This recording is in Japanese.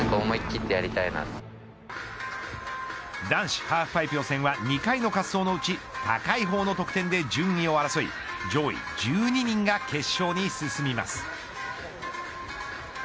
男子ハーフパイプ予選は２回の滑走のうち高い方の得点で順位を争い上位１２人が決勝に進みます。